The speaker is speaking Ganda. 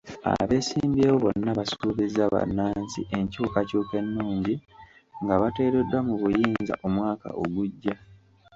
Abeesimbyewo bonna basuubiza bannansi enkyukakyuka ennungi nga bateereddwa mu buyinza omwaka ogujja.